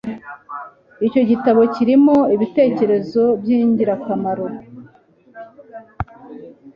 Icyo gitabo kirimo ibitekerezo byingirakamaro